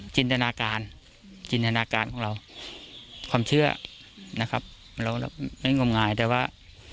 จินตนาการจินตนาการของเราความเชื่อนะครับเราไม่งมงายแต่ว่า